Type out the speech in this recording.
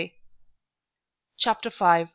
CHAPTER V.